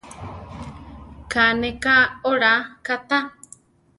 Ká ne ka olá katá.